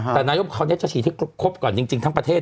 แต่นายก็จะฉีดที่ครบก่อนจริงทั้งประเทศ